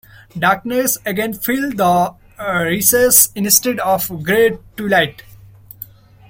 Darkness again filled the recess instead of the grey twilight.